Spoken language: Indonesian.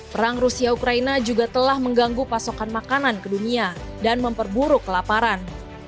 perang rusia ukraina juga telah mengganggu pasokan makanan ke dunia dan memperburuk kelaparan